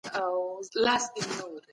ژوند لنډ دی او باید قدر یې وکړو.